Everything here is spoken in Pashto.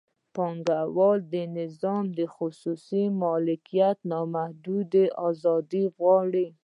پانګوال نظام د خصوصي مالکیت نامحدوده ازادي غواړي.